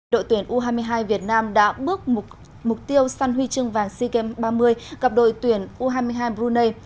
đội tuyển u hai mươi hai việt nam đã bước mục tiêu săn huy chương vàng sea games ba mươi gặp đội tuyển u hai mươi hai brunei